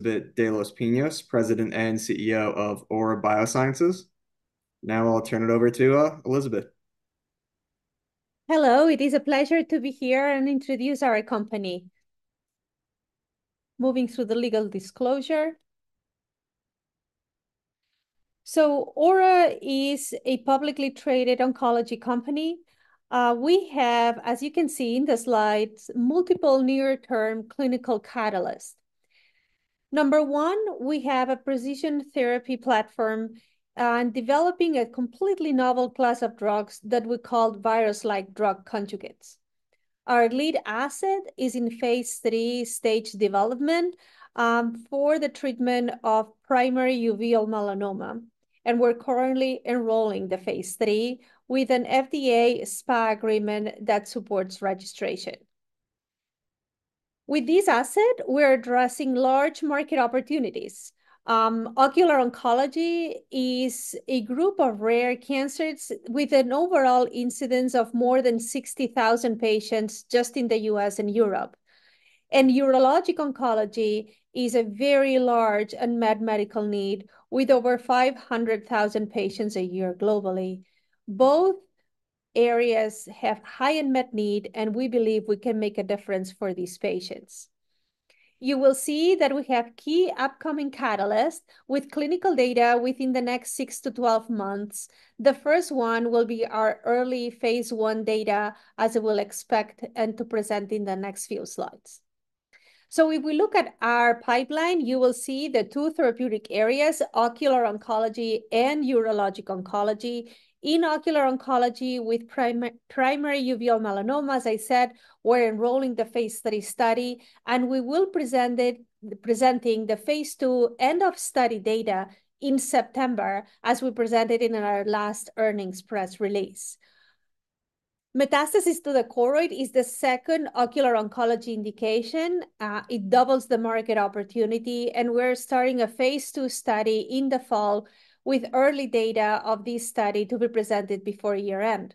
de los Pinos, President and CEO of Aura Biosciences. Now I'll turn it over to Elisabet. Hello, it is a pleasure to be here and introduce our company. Moving through the legal disclosure. So Aura is a publicly traded oncology company. We have, as you can see in the slides, multiple near-term clinical catalysts. Number one, we have a precision therapy platform, and developing a completely novel class of drugs that we called virus-like drug conjugates. Our lead asset is in phase III stage development, for the treatment of primary uveal melanoma, and we're currently enrolling the phase III, with an FDA SPA agreement that supports registration. With this asset, we're addressing large market opportunities. Ocular oncology is a group of rare cancers with an overall incidence of more than sixty thousand patients just in the US and Europe. And urologic oncology is a very large unmet medical need, with over five hundred thousand patients a year globally. Both areas have high unmet need, and we believe we can make a difference for these patients. You will see that we have key upcoming catalysts, with clinical data within the next six to twelve months. The first one will be our early phase I data, as we'll expect, and to present in the next few slides. So if we look at our pipeline, you will see the two therapeutic areas: ocular oncology and urologic oncology. In ocular oncology, with primary uveal melanoma, as I said, we're enrolling the phase III study, and we will present the phase II end of study data in September, as we presented in our last earnings press release. Metastasis to the choroid is the second ocular oncology indication. It doubles the market opportunity, and we're starting a phase II study in the fall, with early data of this study to be presented before year-end.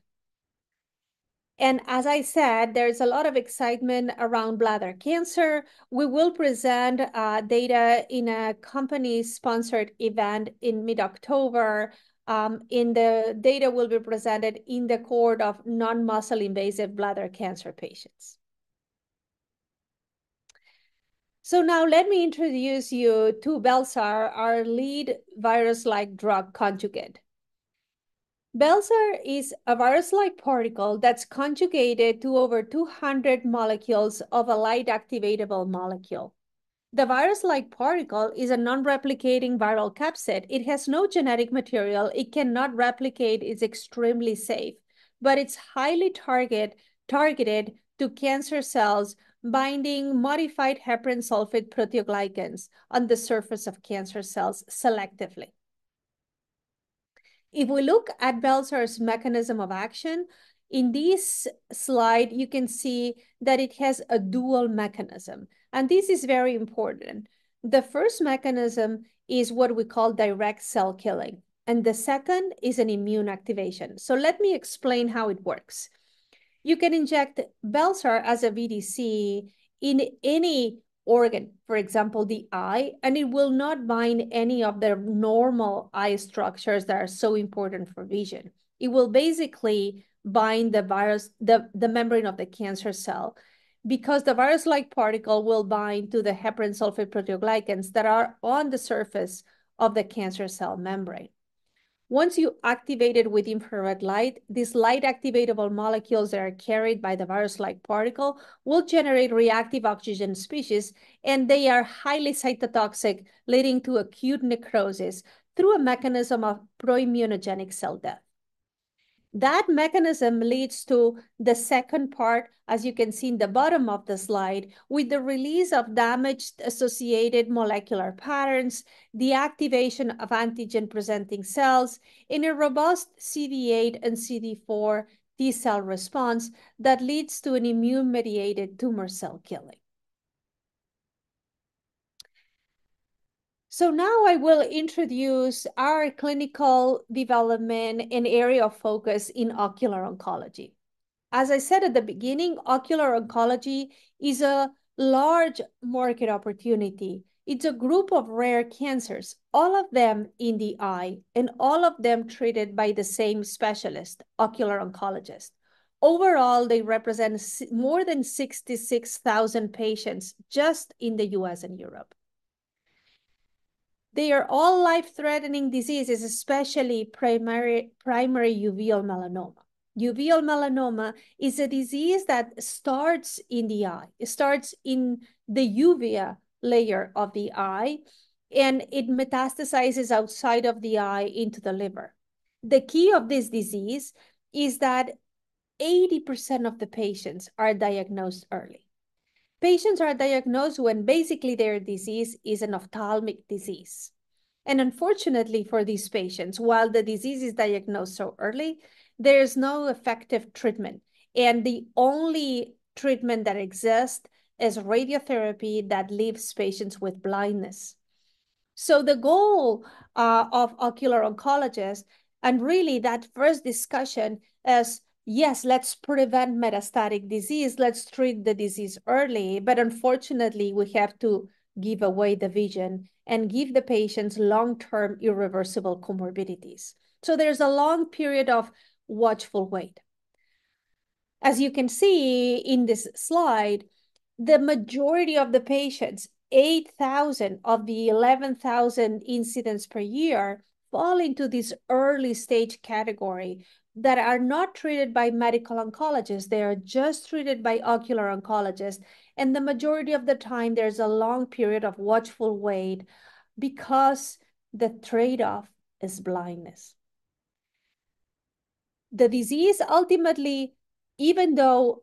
As I said, there's a lot of excitement around bladder cancer. We will present data in a company-sponsored event in mid-October. The data will be presented in the cohort of non-muscle invasive bladder cancer patients. Now let me introduce you to bel-sar, our lead virus-like drug conjugate. bel-sar is a virus-like particle that's conjugated to over 200 molecules of a light-activatable molecule. The virus-like particle is a non-replicating viral capsid. It has no genetic material, it cannot replicate, it's extremely safe. But it's highly targeted to cancer cells, binding modified heparan sulfate proteoglycans on the surface of cancer cells selectively. If we look at bel-sar's mechanism of action, in this slide, you can see that it has a dual mechanism, and this is very important. The first mechanism is what we call direct cell killing, and the second is an immune activation. So let me explain how it works. You can inject bel-sar as a VDC in any organ, for example, the eye, and it will not bind any of the normal eye structures that are so important for vision. It will basically bind the virus, the membrane of the cancer cell, because the virus-like particle will bind to the heparan sulfate proteoglycans that are on the surface of the cancer cell membrane. Once you activate it with infrared light, these light activatable molecules that are carried by the virus-like particle will generate reactive oxygen species, and they are highly cytotoxic, leading to acute necrosis through a mechanism of proimmunogenic cell death. That mechanism leads to the second part, as you can see in the bottom of the slide, with the release of damage-associated molecular patterns, the activation of antigen-presenting cells in a robust CD8 and CD4 T cell response that leads to an immune-mediated tumor cell killing. So now I will introduce our clinical development and area of focus in ocular oncology. As I said at the beginning, ocular oncology is a large market opportunity. It's a group of rare cancers, all of them in the eye, and all of them treated by the same specialist, ocular oncologist. Overall, they represent more than 66,000 patients just in the US and Europe. They are all life-threatening diseases, especially primary uveal melanoma. Uveal melanoma is a disease that starts in the eye. It starts in the uvea layer of the eye, and it metastasizes outside of the eye into the liver. The key of this disease is that 80% of the patients are diagnosed early. Patients are diagnosed when basically their disease is an ophthalmic disease. And unfortunately for these patients, while the disease is diagnosed so early, there is no effective treatment, and the only treatment that exists is radiotherapy that leaves patients with blindness... so the goal of ocular oncologists, and really that first discussion is, "Yes, let's prevent metastatic disease, let's treat the disease early," but unfortunately, we have to give away the vision and give the patients long-term irreversible comorbidities. There's a long period of watchful wait. As you can see in this slide, the majority of the patients, eight thousand of the eleven thousand incidents per year, fall into this early-stage category that are not treated by medical oncologists. They are just treated by ocular oncologists, and the majority of the time, there's a long period of watchful wait because the trade-off is blindness. The disease ultimately, even though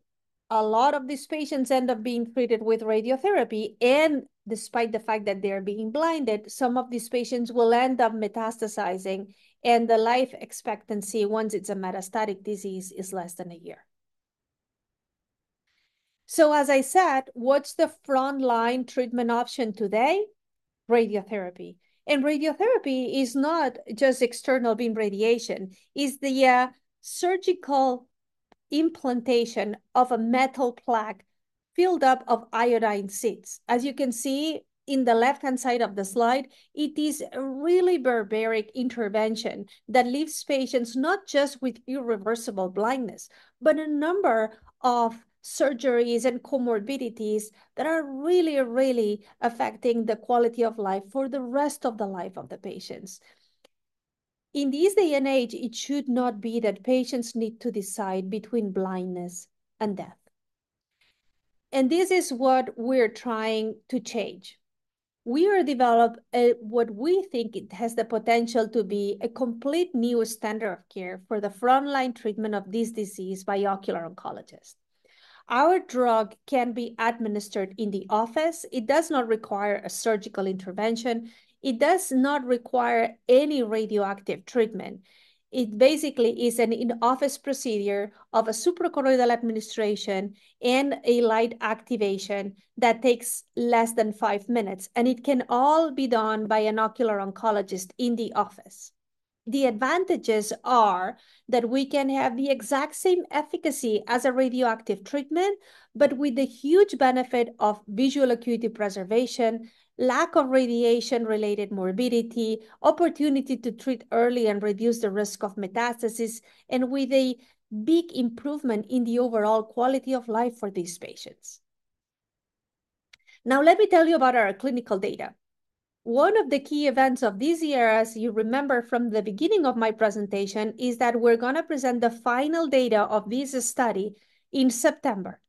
a lot of these patients end up being treated with radiotherapy, and despite the fact that they're being blinded, some of these patients will end up metastasizing, and the life expectancy, once it's a metastatic disease, is less than a year. As I said, what's the frontline treatment option today? Radiotherapy. And radiotherapy is not just external beam radiation. It's the surgical implantation of a metal plaque filled up of iodine seeds. As you can see in the left-hand side of the slide, it is a really barbaric intervention that leaves patients not just with irreversible blindness, but a number of surgeries and comorbidities that are really, really affecting the quality of life for the rest of the life of the patients. In this day and age, it should not be that patients need to decide between blindness and death, and this is what we're trying to change. We are developing what we think it has the potential to be a complete new standard of care for the frontline treatment of this disease by ocular oncologists. Our drug can be administered in the office. It does not require a surgical intervention. It does not require any radioactive treatment. It basically is an in-office procedure of a suprachoroidal administration and a light activation that takes less than five minutes, and it can all be done by an ocular oncologist in the office. The advantages are that we can have the exact same efficacy as a radioactive treatment, but with the huge benefit of visual acuity preservation, lack of radiation-related morbidity, opportunity to treat early and reduce the risk of metastasis, and with a big improvement in the overall quality of life for these patients. Now, let me tell you about our clinical data. One of the key events of this year, as you remember from the beginning of my presentation, is that we're gonna present the final data of this study in September.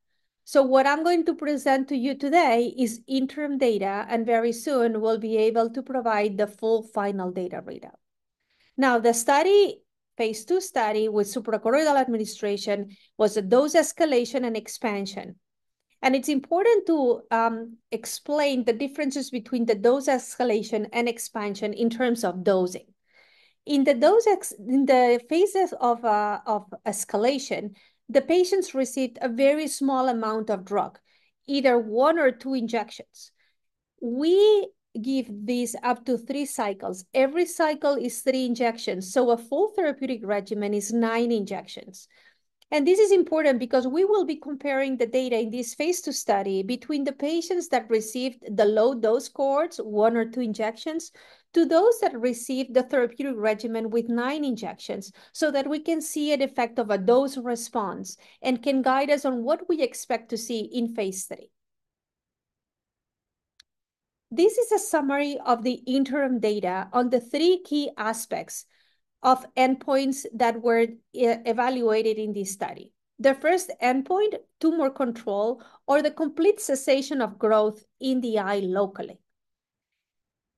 So what I'm going to present to you today is interim data, and very soon, we'll be able to provide the full final data readout. Now, the study, phase II study with Suprachoroidal administration, was a dose escalation and expansion, and it's important to explain the differences between the dose escalation and expansion in terms of dosing. In the phases of escalation, the patients received a very small amount of drug, either one or two injections. We give these up to three cycles. Every cycle is three injections, so a full therapeutic regimen is nine injections, and this is important because we will be comparing the data in this phase II study between the patients that received the low-dose cohorts, one or two injections, to those that received the therapeutic regimen with nine injections, so that we can see an effect of a dose response and can guide us on what we expect to see in phase III. This is a summary of the interim data on the three key aspects of endpoints that were evaluated in this study. The first endpoint, tumor control, or the complete cessation of growth in the eye locally.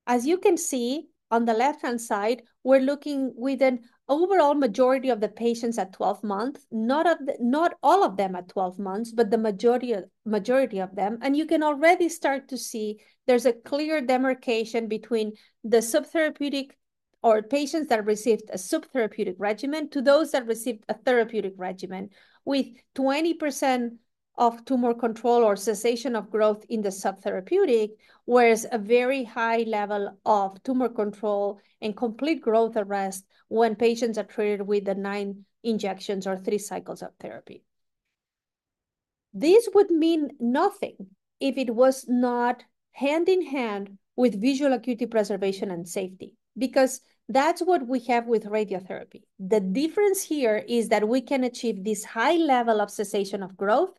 As you can see on the left-hand side, we're looking with an overall majority of the patients at 12 months, not all of them at 12 months, but the majority of them. You can already start to see there's a clear demarcation between the subtherapeutic or patients that received a subtherapeutic regimen to those that received a therapeutic regimen, with 20% of tumor control or cessation of growth in the subtherapeutic, whereas a very high level of tumor control and complete growth arrest when patients are treated with the nine injections or three cycles of therapy. This would mean nothing if it was not hand in hand with visual acuity preservation and safety, because that's what we have with radiotherapy. The difference here is that we can achieve this high level of cessation of growth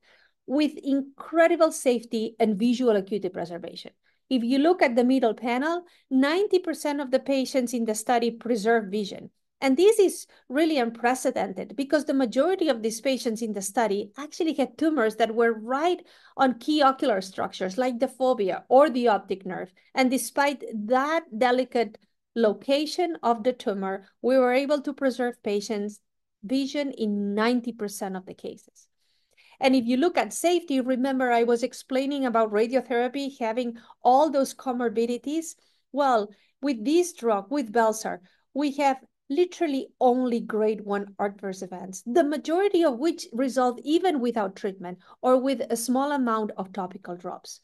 with incredible safety and visual acuity preservation. If you look at the middle panel, 90% of the patients in the study preserved vision, and this is really unprecedented because the majority of these patients in the study actually had tumors that were right on key ocular structures, like the fovea or the optic nerve. And despite that delicate location of the tumor, we were able to preserve patients' vision in 90% of the cases. And if you look at safety, remember I was explaining about radiotherapy having all those comorbidities? With this drug, with bel-sar, we have literally only Grade 1 adverse events, the majority of which resolve even without treatment or with a small amount of topical drops.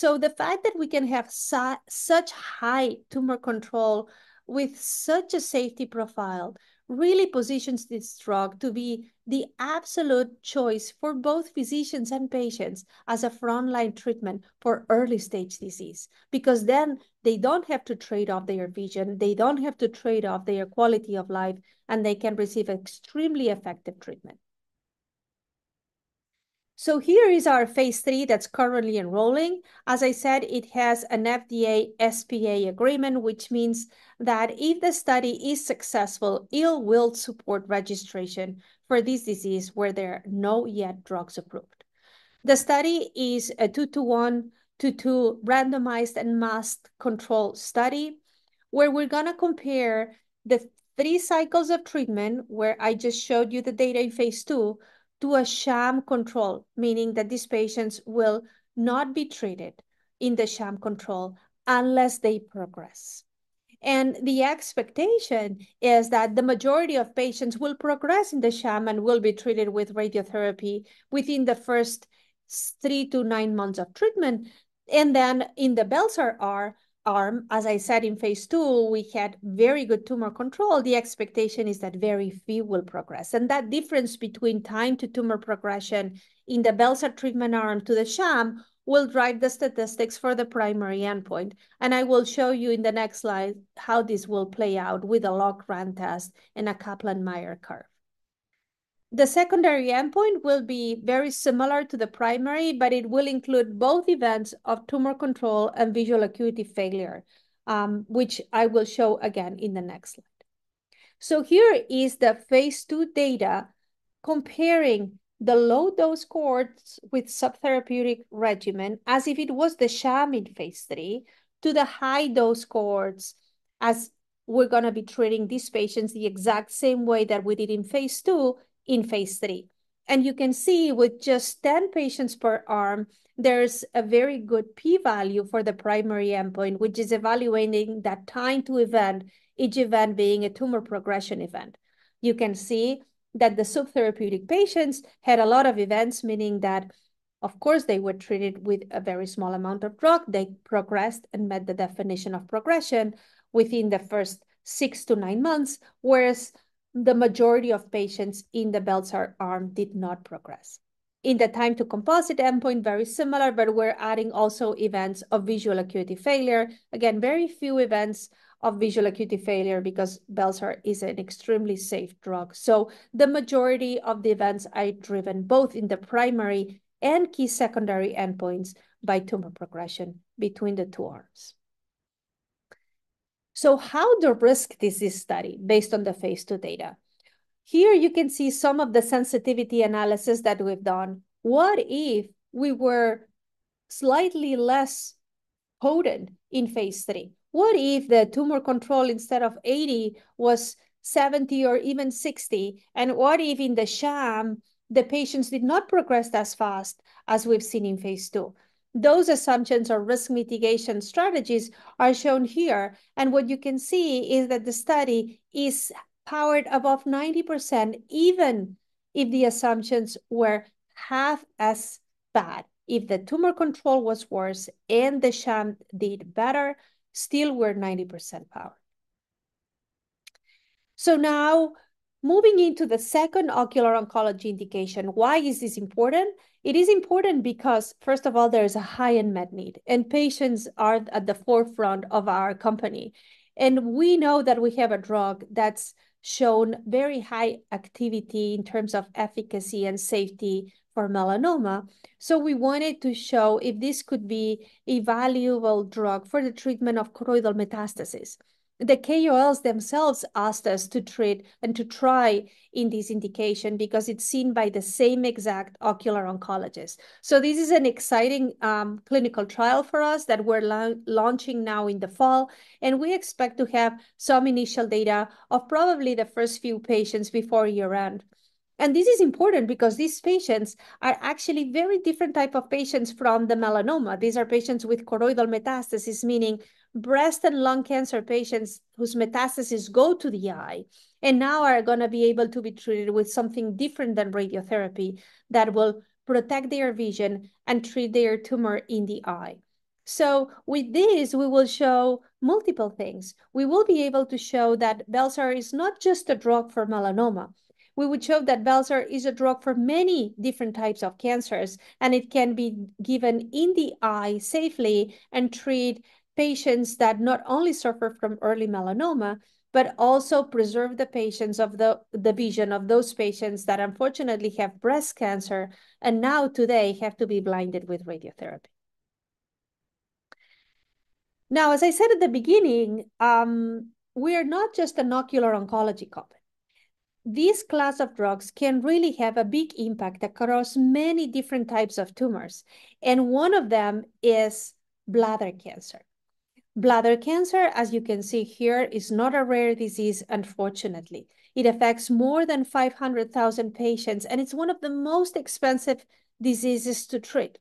The fact that we can have such high tumor control with such a safety profile really positions this drug to be the absolute choice for both physicians and patients as a frontline treatment for early-stage disease. Because then they don't have to trade off their vision, they don't have to trade off their quality of life, and they can receive extremely effective treatment. Here is our phase 3 that's currently enrolling. As I said, it has an FDA SPA agreement, which means that if the study is successful, it will support registration for this disease where there are no drugs yet approved. The study is a two to one to two randomized and masked control study, where we're gonna compare the three cycles of treatment, where I just showed you the data in phase 2, to a sham control, meaning that these patients will not be treated in the sham control unless they progress, and the expectation is that the majority of patients will progress in the sham and will be treated with radiotherapy within the first three to nine months of treatment, and then in the bel-sar arm, as I said, in phase 2, we had very good tumor control. The expectation is that very few will progress, and that difference between time to tumor progression in the bel-sar treatment arm to the sham will drive the statistics for the primary endpoint. And I will show you in the next slide how this will play out with a log-rank test and a Kaplan-Meier curve. The secondary endpoint will be very similar to the primary, but it will include both events of tumor control and visual acuity failure, which I will show again in the next slide. So here is the phase 2 data comparing the low-dose cohorts with subtherapeutic regimen, as if it was the sham in phase 3, to the high-dose cohorts, as we're gonna be treating these patients the exact same way that we did in phase 2, in phase 3. And you can see with just 10 patients per arm, there's a very good p-value for the primary endpoint, which is evaluating that time to event, each event being a tumor progression event. You can see that the subtherapeutic patients had a lot of events, meaning that, of course, they were treated with a very small amount of drug. They progressed and met the definition of progression within the first six to nine months, whereas the majority of patients in the bel-sar arm did not progress. In the time to composite endpoint, very similar, but we're adding also events of visual acuity failure. Again, very few events of visual acuity failure because bel-sar is an extremely safe drug. So the majority of the events are driven, both in the primary and key secondary endpoints, by tumor progression between the two arms. So how to risk this study based on the phase 2 data? Here you can see some of the sensitivity analysis that we've done. What if we were slightly less potent in phase 3? What if the tumor control, instead of 80, was 70 or even 60? And what if in the sham, the patients did not progress as fast as we've seen in phase 2? Those assumptions or risk mitigation strategies are shown here, and what you can see is that the study is powered above 90%, even if the assumptions were half as bad. If the tumor control was worse and the sham did better, still we're 90% power. So now, moving into the second ocular oncology indication, why is this important? It is important because, first of all, there is a high unmet need, and patients are at the forefront of our company. We know that we have a drug that's shown very high activity in terms of efficacy and safety for melanoma, so we wanted to show if this could be a valuable drug for the treatment of choroidal metastases. The KOLs themselves asked us to treat and to try in this indication because it's seen by the same exact ocular oncologist. This is an exciting clinical trial for us that we're launching now in the fall, and we expect to have some initial data of probably the first few patients before year-end. This is important because these patients are actually very different type of patients from the melanoma. These are patients with choroidal metastases, meaning breast and lung cancer patients whose metastases go to the eye and now are gonna be able to be treated with something different than radiotherapy that will protect their vision and treat their tumor in the eye. So with this, we will show multiple things. We will be able to show that bel-sar is not just a drug for melanoma. We would show that bel-sar is a drug for many different types of cancers, and it can be given in the eye safely and treat patients that not only suffer from early melanoma, but also preserve the vision of those patients that, unfortunately, have breast cancer, and now today have to be blinded with radiotherapy. Now, as I said at the beginning, we are not just an ocular oncology company. This class of drugs can really have a big impact across many different types of tumors, and one of them is bladder cancer. Bladder cancer, as you can see here, is not a rare disease, unfortunately. It affects more than 500,000 patients, and it is one of the most expensive diseases to treat.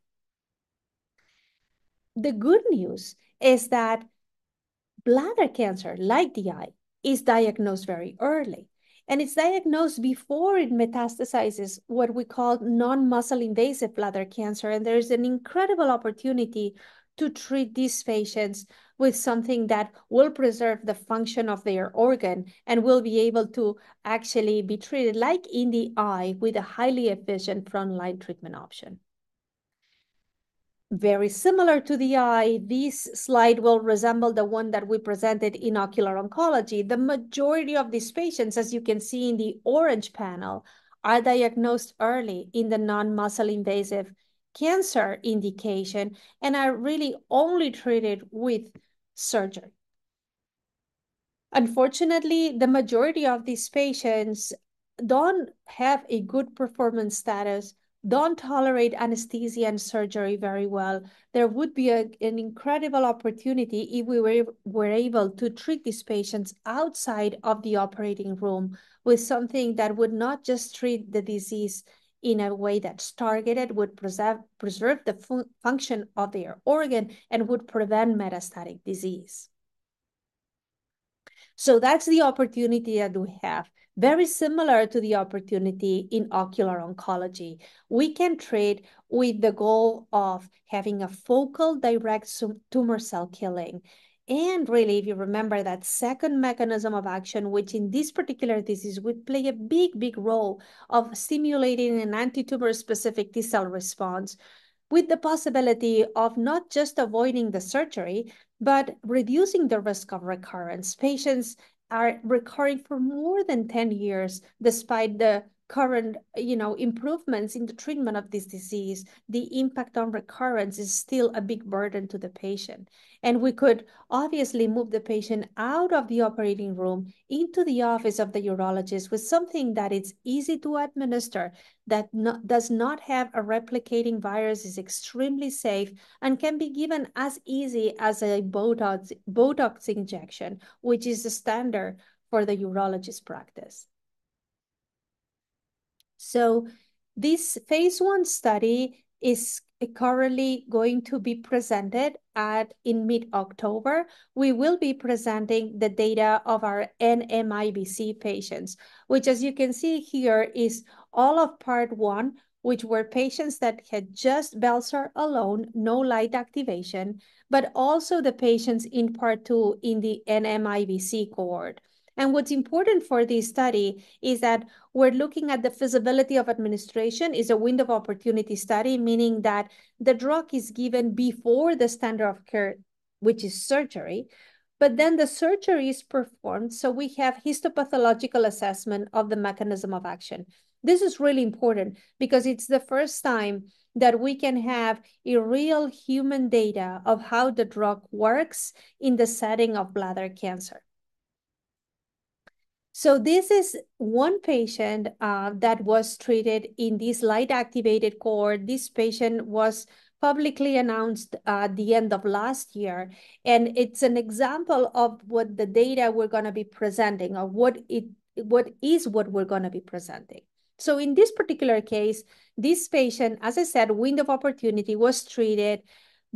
The good news is that bladder cancer, like the eye, is diagnosed very early, and it is diagnosed before it metastasizes, what we call non-muscle invasive bladder cancer. There is an incredible opportunity to treat these patients with something that will preserve the function of their organ and will be able to actually be treated, like in the eye, with a highly efficient front-line treatment option. Very similar to the eye, this slide will resemble the one that we presented in ocular oncology. The majority of these patients, as you can see in the orange panel, are diagnosed early in the non-muscle invasive cancer indication and are really only treated with surgery. Unfortunately, the majority of these patients don't have a good performance status, don't tolerate anesthesia and surgery very well. There would be an incredible opportunity if we were able to treat these patients outside of the operating room with something that would not just treat the disease in a way that's targeted, would preserve the function of their organ and would prevent metastatic disease. So that's the opportunity that we have. Very similar to the opportunity in ocular oncology, we can treat with the goal of having a focal direct tumor cell killing. Really, if you remember that second mechanism of action, which in this particular disease would play a big, big role of stimulating an anti-tumor-specific T cell response, with the possibility of not just avoiding the surgery, but reducing the risk of recurrence. Patients are recurring for more than 10 years despite the current, you know, improvements in the treatment of this disease. The impact on recurrence is still a big burden to the patient. We could obviously move the patient out of the operating room into the office of the urologist with something that is easy to administer, that does not have a replicating virus, is extremely safe, and can be given as easy as a Botox injection, which is the standard for the urologist practice. This phase I study is currently going to be presented in mid-October. We will be presenting the data of our NMIBC patients, which, as you can see here, is all of Part One, which were patients that had just bel-sar alone, no light activation, but also the patients in Part Two in the NMIBC cohort. And what's important for this study is that we're looking at the feasibility of administration. It's a window of opportunity study, meaning that the drug is given before the standard of care, which is surgery, but then the surgery is performed, so we have histopathological assessment of the mechanism of action. This is really important because it's the first time that we can have a real human data of how the drug works in the setting of bladder cancer. So this is one patient that was treated in this light-activated cohort. This patient was publicly announced at the end of last year, and it's an example of what the data we're gonna be presenting. So in this particular case, this patient, as I said, window of opportunity, was treated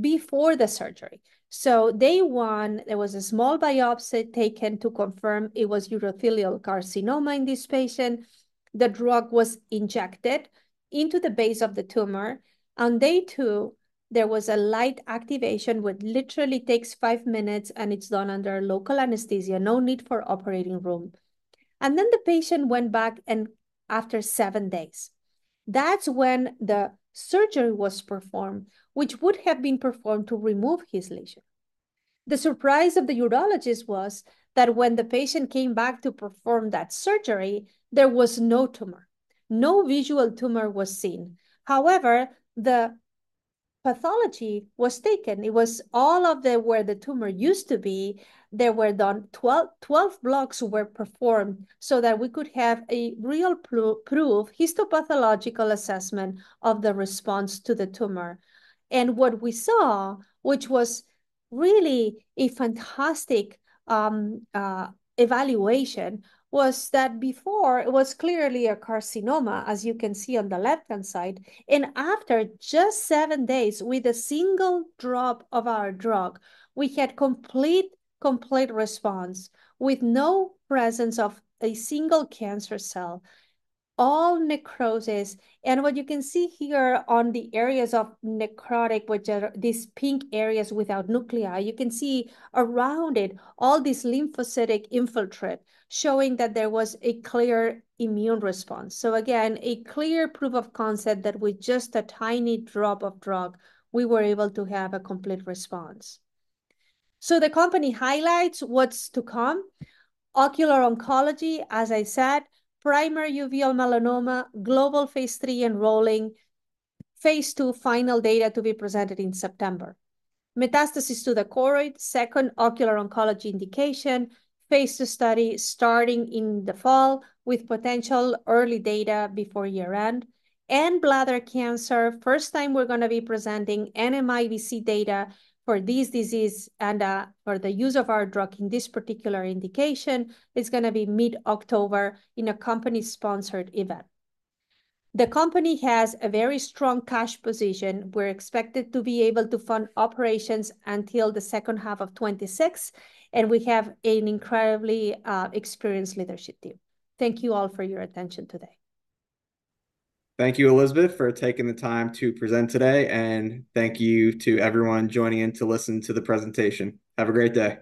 before the surgery. So day one, there was a small biopsy taken to confirm it was urothelial carcinoma in this patient. The drug was injected into the base of the tumor. On day two, there was a light activation, which literally takes five minutes, and it's done under local anesthesia, no need for operating room. And then the patient went back, and after seven days, that's when the surgery was performed, which would have been performed to remove his lesion. The surprise of the urologist was that when the patient came back to perform that surgery, there was no tumor. No visual tumor was seen. However, the pathology was taken. It was all of the where the tumor used to be. 12 blocks were performed so that we could have a real proof histopathological assessment of the response to the tumor, and what we saw, which was really a fantastic evaluation, was that before, it was clearly a carcinoma, as you can see on the left-hand side, and after just seven days, with a single drop of our drug, we had complete response, with no presence of a single cancer cell, all necrosis, and what you can see here on the areas of necrotic, which are these pink areas without nuclei, you can see around it all this lymphocytic infiltrate, showing that there was a clear immune response. So again, a clear proof of concept that with just a tiny drop of drug, we were able to have a complete response. So the company highlights what's to come. Ocular oncology, as I said, primary uveal melanoma, global phase III enrolling, phase II final data to be presented in September. Metastasis to the choroid, second ocular oncology indication, phase II study starting in the fall, with potential early data before year-end. And bladder cancer, first time we're gonna be presenting NMIBC data for this disease and for the use of our drug in this particular indication. It's gonna be mid-October in a company-sponsored event. The company has a very strong cash position. We're expected to be able to fund operations until the second half of 2026, and we have an incredibly experienced leadership team. Thank you all for your attention today. Thank you, Elisabet, for taking the time to present today, and thank you to everyone joining in to listen to the presentation. Have a great day!